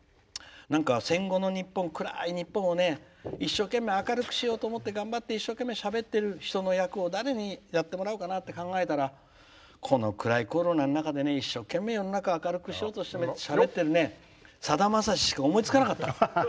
戦後の日本、暗い日本を一生懸命、明るくしようと思って一生懸命、しゃべってる人の役を誰にやってもらうかなって考えたらこの暗いコロナの中で一生懸命世の中を明るくしようと思ってしゃべってるね、さだまさししか思いつかなかったって。